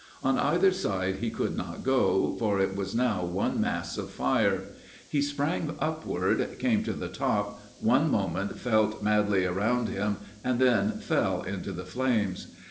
On either side he could not go, for it was now one mass of fire. He sprang upward, came to the top, one moment felt madly around him, and then fell into the flames.